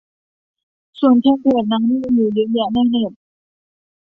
ส่วนเทมเพลตนั้นมีอยู่เยอะแยะในเน็ต